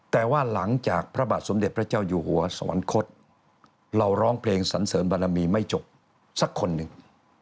แต่ว่าหลังจากพระบาทสมเด็จพระเจ้าอยู่หัวสวรรคตเราร้องเพลงสันเสริมบารมีไม่จบสักคนหนึ่ง